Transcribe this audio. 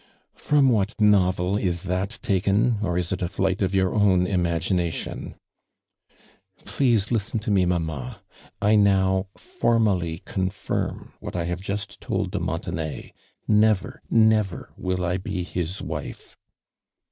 " From what novel is that taken, or is it a flight of your own imagination ?" "Please listen to me, mamma. I now formally confirm what I have just told do. Montenay. Never, never will I be his wife